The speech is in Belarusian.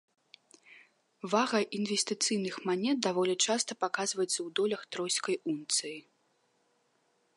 Вага інвестыцыйных манет даволі часта паказваецца ў долях тройскай унцыі.